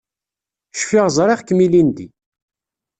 Cfiɣ ẓriɣ-kem ilindi.